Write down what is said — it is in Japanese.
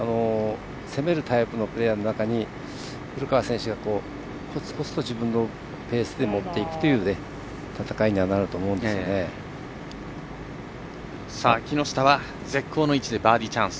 攻めるタイプのプレーヤーの中に古川選手がこつこつと自分のペースで持っていくという木下は絶好の位置でバーディーチャンス。